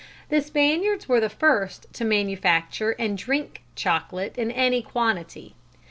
The Spaniards were the first to manufacture and drink chocolate in any quantity.